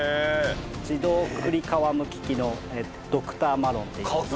自動栗皮剥き機のドクターマロンといいます。